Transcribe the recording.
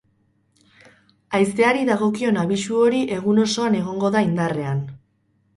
Haizeari dagokion abisu hori egun osoan egongo da indarrean.